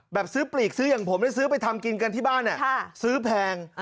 แบบซื้อปลีกซื้ออย่างผมซื้อไปทำกินกันที่บ้านซื้อแพง